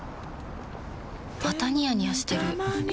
またニヤニヤしてるふふ。